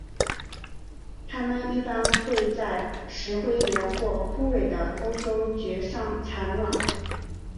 它们一般会在石灰岩或枯萎的欧洲蕨上产卵。